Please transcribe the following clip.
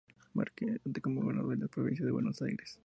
Mercante como gobernador de la provincia de Buenos Aires.